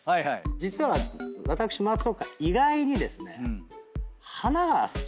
実は私松岡意外にですね。